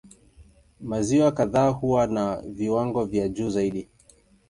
Maziwa kadhaa huwa na viwango vya juu zaidi.